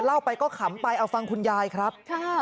เล่าไปก็ขำไปเอาฟังคุณยายครับ